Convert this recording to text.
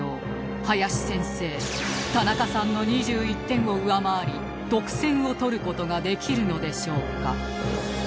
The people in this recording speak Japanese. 林先生田中さんの２１点を上回り特選をとる事ができるのでしょうか